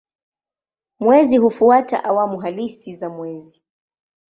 Mwezi hufuata awamu halisi za mwezi.